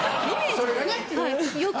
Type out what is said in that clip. それがね。